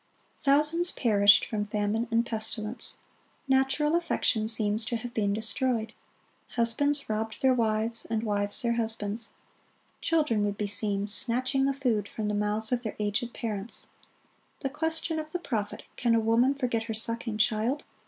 Thousands perished from famine and pestilence. Natural affection seemed to have been destroyed. Husbands robbed their wives, and wives their husbands. Children would be seen snatching the food from the mouths of their aged parents. The question of the prophet, "Can a woman forget her sucking child?"